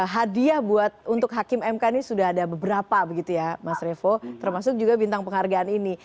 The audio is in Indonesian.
hadiah buat untuk hakim mk ini sudah ada beberapa begitu ya mas revo termasuk juga bintang penghargaan ini